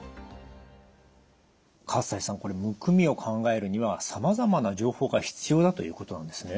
西さんこれむくみを考えるにはさまざまな情報が必要だということなんですね。